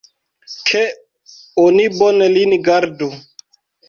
Ke oni bone lin gardu!